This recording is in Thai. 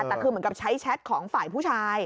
แต่คือเหมือนกับใช้แชทของฝ่ายผู้ชาย